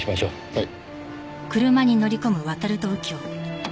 はい。